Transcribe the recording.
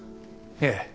ええ。